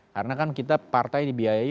karena kan kita partai dibiayai